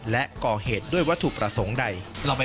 และก่อเหตุด้วยวัตถุประสงค์ใด